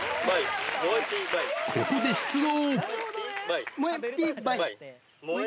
ここで出動。